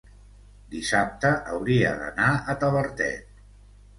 dissabte hauria d'anar a Tavertet.